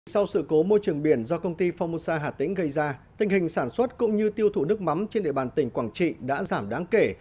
sau sự cố môi trường biển do công ty phongmosa hà tĩnh gây ra tình hình sản xuất cũng như tiêu thụ nước mắm trên địa bàn tỉnh quảng trị đã giảm đáng kể